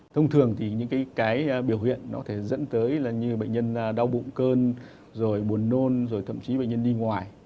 thông thường thì những cái biểu hiện nó có thể dẫn tới là như bệnh nhân đau bụng cơn rồi buồn nôn rồi thậm chí bệnh nhân đi ngoài